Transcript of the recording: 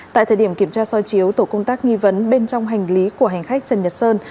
tại thời điểm kiểm tra soi chiếu tổ công tác nghi vấn bên trong hành lý của hành khách trần nhật sơn